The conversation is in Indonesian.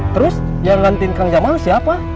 terus yang ngantin kang jamaah siapa